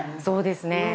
そうですね。